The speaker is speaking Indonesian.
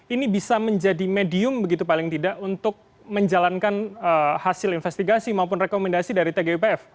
ini bisa menjadi medium begitu paling tidak untuk menjalankan hasil investigasi maupun rekomendasi dari tgipf